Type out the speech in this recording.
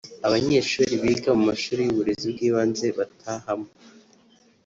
abanyeshuri biga mu mashuri y’uburezi bw’ibanze batahamo